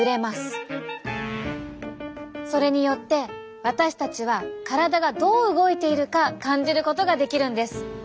それによって私たちは体がどう動いているか感じることができるんです。